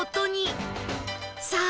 さあ